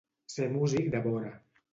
Ser músic de vora.